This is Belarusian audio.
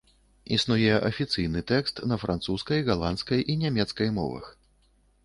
Існуе афіцыйны тэкст на французскай, галандскай і нямецкай мовах.